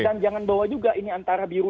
dan jangan bahwa juga ini antara biru